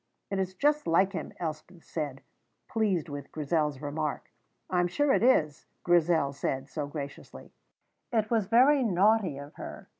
"It is just like him," Elspeth said, pleased with Grizel's remark. "I am sure it is," Grizel said, so graciously. It was very naughty of her.